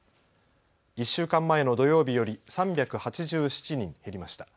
１週間前の土曜日より３８７人減りました。